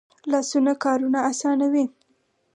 لاسونه کارونه آسانوي